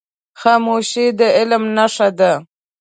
خاموشي، د علم نښه ده.